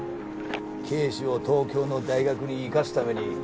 啓示を東京の大学に行かすために